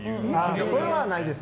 それはないです。